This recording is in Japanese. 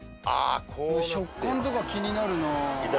食感とか気になるな。